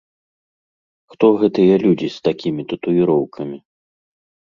Хто гэтыя людзі з такімі татуіроўкамі?